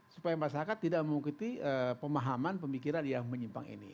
supaya masyarakat tidak mengikuti pemahaman pemikiran yang menyimpang ini